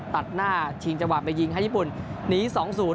ตัดหน้าชิงจังหวะไปยิงให้ญี่ปุ่นหนี๒๐